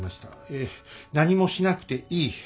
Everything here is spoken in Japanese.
・何もしなくていい。